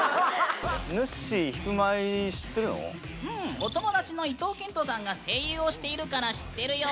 お友達の伊東健人さんが声優をしているから知ってるよ。